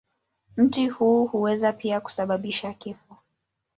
Mti huu huweza pia kusababisha kifo.